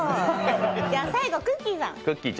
じゃ最後、くっきー！さん。